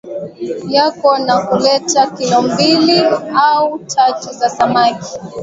yako na kuleta kilo mbili au tatu za samaki